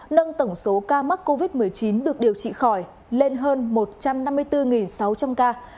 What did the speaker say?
nâng tổng số ca mắc covid một mươi chín được điều trị khỏi lên hơn một trăm năm mươi bốn sáu trăm linh ca